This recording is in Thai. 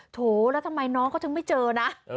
โถแล้วทำไมน้องเขาถึงไม่เจอนะ